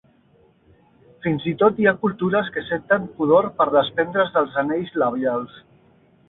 Fins i tot hi ha cultures que senten pudor per desprendre's dels anells labials.